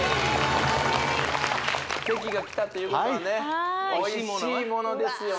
イエーイ関が来たということはねはいおいしいものですよね